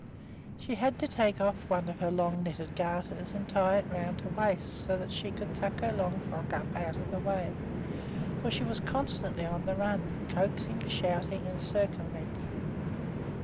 She had to take off one of her long knitted garters and tie it around her waist so that she could tuck her long frock up out of the way; for she was constantly on the run, coaxing, shouting, and circumventing.